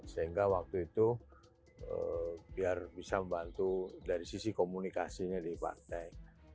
sehingga waktu itu biar bisa membantu dari sisi komunikasinya di partai